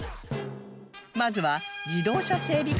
まずは自動車整備